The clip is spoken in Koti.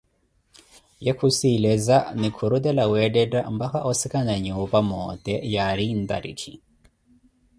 Ye khusiileza ni khurutela weettetta mpakha osikana nnyupa moote yaari ntarikhi.